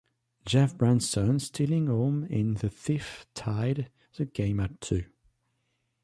Jeff Branson stealing home in the fifth tied the game at two.